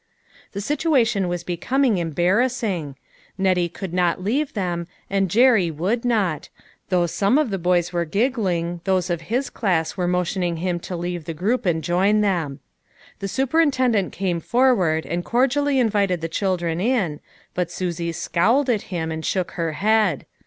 The situation was becom ing embarrassing. Nettie could not leave them, and Jerry would not ; though some of the boys A SABBATH TO REMEMBER. 145 were giggling, those of his class were motioning him to leave the group and join them. The su perintendent came forward and cordially invited the children in, but Susie scowled at him and shook her head.